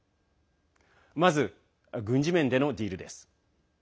まず、軍事面でのディールです。